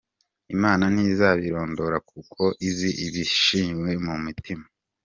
Imana ntizabirondōra, Kuko izi ibihishwe mu mutima?